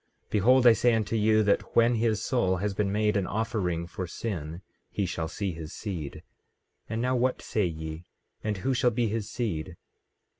Behold, I say unto you, that when his soul has been made an offering for sin he shall see his seed. And now what say ye? And who shall be his seed?